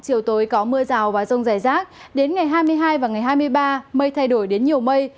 chiều tối có mưa rào và rông dài rác đến ngày hai mươi hai và ngày hai mươi ba mây thay đổi đến nhiều mây